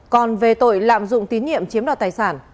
còn về tội lạm dụng tín nhiệm chiếm đoạt tài sản